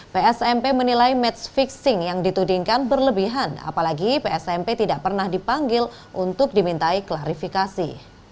psmp menilai match fixing yang ditudingkan berlebihan apalagi psmp tidak pernah dipanggil untuk dimintai klarifikasi